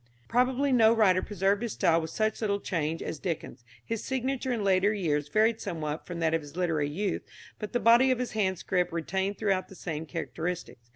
Probably no writer preserved his style with such little change as Dickens. His signature in later years varied somewhat from that of his literary youth, but the body of his handscript retained throughout the same characteristics.